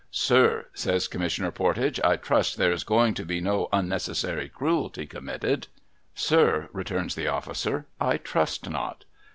' Sir,' says Commissioner Pordage, ' I trust there is going to be no unnecessary cruelty committed ?'' Sir,' returns the officer, ' I trust not.'